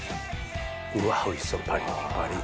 うわおいしそうパリッパリ。